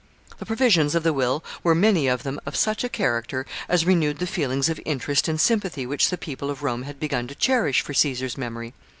The provisions of the will were, many of them, of such a character as renewed the feelings of interest and sympathy which the people of Rome had begun to cherish for Caesar's memory.